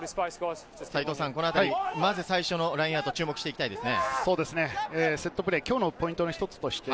このあたり、まず最初ラインアウトを注目していきたいですね。